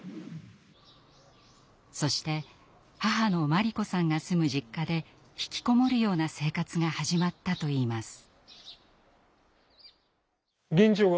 そして母の真理子さんが住む実家で引きこもるような生活が始まったといいます。